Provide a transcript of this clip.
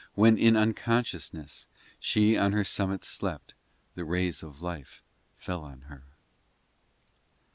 When in unconsciousness, She on their summit slept, The rays of life fell on her.